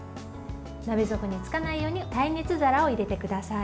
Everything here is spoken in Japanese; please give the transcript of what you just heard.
鍋底につかないように耐熱皿を入れてください。